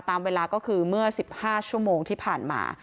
ตามเวลาก็คือเมื่อ๑๕ชั่วโมงที่ผ่านมา